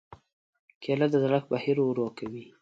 کېله د زړښت بهیر ورو کوي.